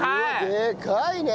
でかいね！